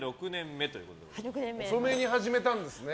遅めに始めたんですね。